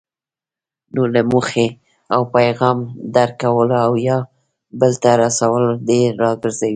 نو له موخې او پیغام درک کولو او یا بل ته رسولو دې راګرځوي.